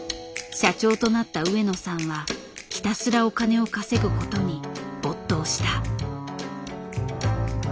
社長となった上野さんはひたすらお金を稼ぐことに没頭した。